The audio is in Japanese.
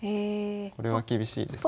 これは厳しいですね。